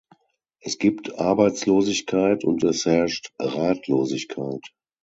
Es gibt Arbeitslosigkeit und es herrscht Ratlosigkeit.